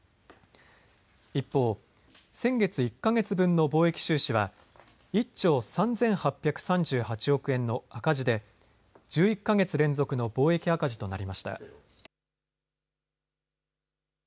一方、先月１か月分の貿易収支は１兆３８３８億円の赤字で１１か月連続の貿易赤字となりました。